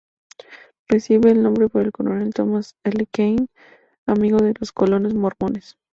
Recibe el nombre por el coronel Thomas L. Kane, amigo de los colonos mormones.